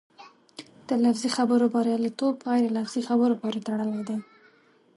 د لفظي خبرو بریالیتوب غیر لفظي خبرو پورې تړلی دی.